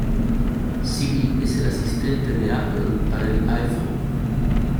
Siri es el asistente de Apple para el iPhone.